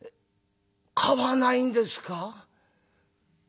買わないんですか」。